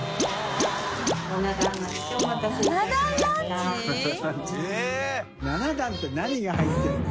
─舛叩７段って何が入ってるの？